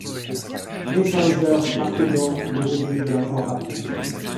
L'échangeur marquait donc le début de la voie rapide.